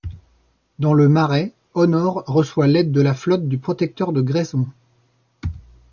Dans le Marais, Honor reçoit l’aide de la flotte du Protecteur de Grayson.